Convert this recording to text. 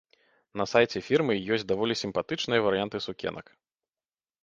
На сайце фірмы ёсць даволі сімпатычныя варыянты сукенак.